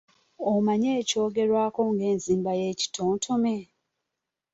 Omanyi ekyogerwako ng’enzimba yekitontome?